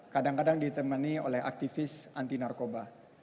kadang kadang ditemani oleh aktivis anti narkoba